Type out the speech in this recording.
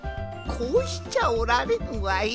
こうしちゃおられんわい。